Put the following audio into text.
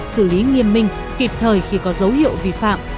xử lý nghiêm minh kịp thời khi có dấu hiệu vi phạm